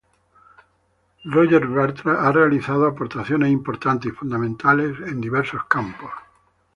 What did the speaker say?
Roger Bartra ha realizado aportaciones importantes y fundamentales en diversos campos.